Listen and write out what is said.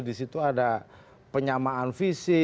di situ ada penyamaan visi